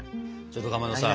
ちょっとかまどさ。